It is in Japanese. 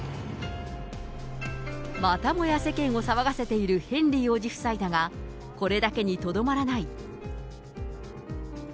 またもや世間を騒がせているヘンリー王子夫妻だが、これだけにとどまらない。